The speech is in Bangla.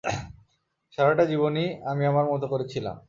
সারাটা জীবনই আমি আমার মত করে ছিলাম!